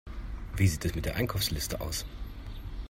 Wie sieht es mit der Einkaufsliste aus?